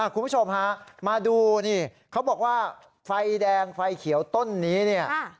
คุณผู้ชมฮะมาดูนี่เขาบอกว่าไฟแดงไฟเขียวต้นนี้เนี่ย